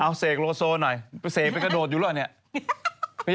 เอาเศกโลโซหน่อยเศกไปกระโดดอยู่หรือ